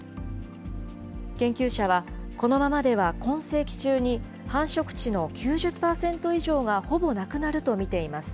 研究者はこのままでは今世紀中に繁殖地の９０％以上がほぼなくなると見ています。